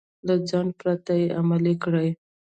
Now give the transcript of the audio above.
له ځنډ پرته يې عملي کړئ.